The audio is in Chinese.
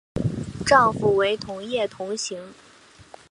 丈夫为同业同行。